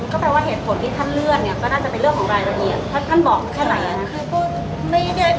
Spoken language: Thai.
ก็แปลว่าเหตุผลที่ท่านเลื่อนเนี่ยก็น่าจะเป็นเรื่องของรายละเอียดถ้าท่านบอกแค่ไหนนะครับ